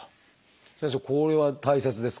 先生これは大切ですか？